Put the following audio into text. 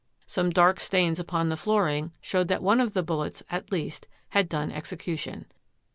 Some dark stains upon the flooring showed that one of the bullets, at least, had done execution.